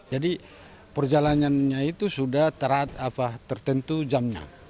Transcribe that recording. jadi perjalanannya itu sudah terat apa tertentu jamnya